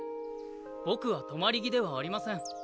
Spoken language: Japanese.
僕は止まり木ではありません。